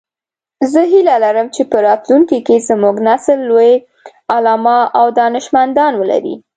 زه هیله لرم چې په راتلونکي کې زموږ نسل لوی علماء او دانشمندان ولری